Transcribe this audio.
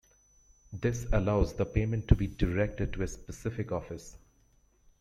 This allows the payment to be directed to a specific office.